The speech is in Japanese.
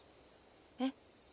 えっ？